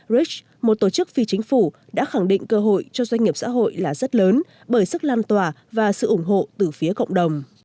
rich một tổ chức phi chính phủ đã khẳng định cơ hội cho doanh nghiệp xã hội là rất lớn bởi sức lan tỏa và sự ủng hộ từ phía cộng đồng